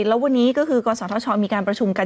แล้ววันนี้ก็คือกศธชมีการประชุมกัน